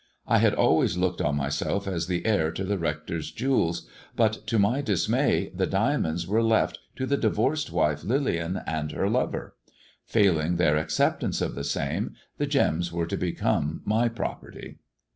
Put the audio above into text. I had always looked on myself as the heir to the Rector's jewels, but to my dismay the diamonds were left to the divorced wife Lillian and her lover : failing their acceptance of the same the gems were to become my property.